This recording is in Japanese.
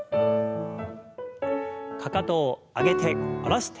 かかとを上げて下ろして上げて。